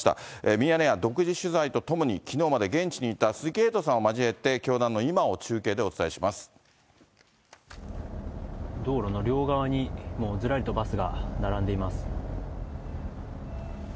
ミヤネ屋独自取材とともにきのうまで現地にいた鈴木エイトさんを交えて、道路の両側に、もうずらりとバスが並んでいます。